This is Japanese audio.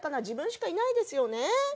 自分しかいないですよね。